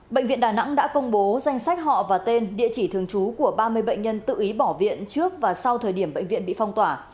bệnh viện đà nẵng đã công bố danh sách họ và tên địa chỉ thường trú của ba mươi bệnh nhân tự ý bỏ viện trước và sau thời điểm bệnh viện bị phong tỏa